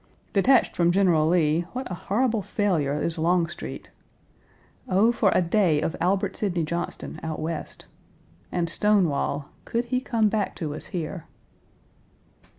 Detached from General Lee, what a horrible failure is Longstreet! Oh, for a day of Albert Sidney Johnston out West! And Stonewall, could he come back to us here!